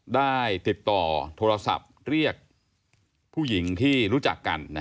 ได้ติดต่อโทรศัพท์เรียกผู้หญิงที่รู้จักกัน